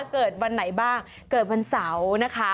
เกิดวันไหนบ้างเกิดวันเสาร์นะคะ